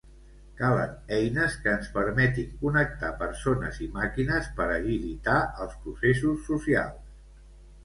Calen eines que ens permetin connectar persones i màquines per agilitar els processos socials.